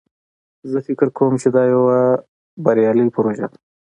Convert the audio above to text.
زه فکر کوم چې دا یوه بریالی پروژه ده